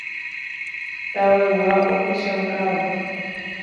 Tavaygua ohechaukáva.